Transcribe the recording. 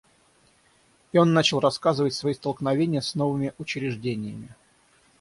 И он начал рассказывать свои столкновения с новыми учреждениями.